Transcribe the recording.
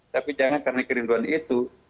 tapi jangan karena kerinduan itu